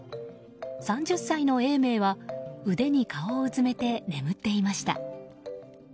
３０歳の永明は腕に顔をうずめて眠っていました。